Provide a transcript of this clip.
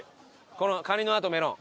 このカニのあとメロン。